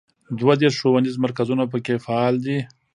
دوه دیرش ښوونیز مرکزونه په کې فعال دي.